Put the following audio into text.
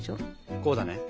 こうだね。